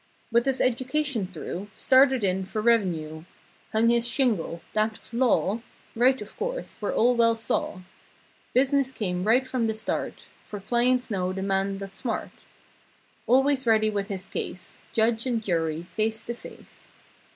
With his education through— Started in for revenue. Hung his "shingle"—that of law— Right, of course, where all well saw. Business came right from the start. For clients know the man that's smart. Always ready with his case— Judge and jury, face to face.